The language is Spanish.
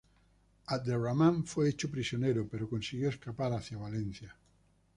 Abd ar-Rahman fue hecho prisionero, pero consiguió escapar hacia Valencia.